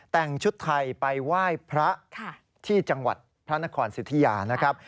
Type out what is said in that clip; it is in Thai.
แต่งชุดไทยไปไหว้พระที่จังหวัดพระนครสิทธิยานะครับ